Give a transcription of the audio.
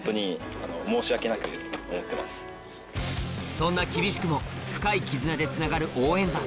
そんな厳しくも深い絆でつながる応援団